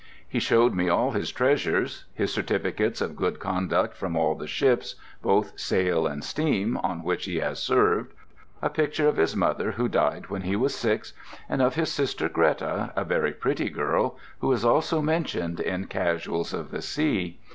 He showed me all his treasures—his certificates of good conduct from all the ships (both sail and steam) on which he has served; a picture of his mother, who died when he was six; and of his sister Greta—a very pretty girl—who is also mentioned in Casuals of the Sea.